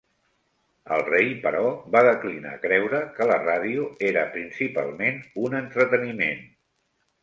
El Rei, però, va declinar creure que la ràdio era principalment un entreteniment.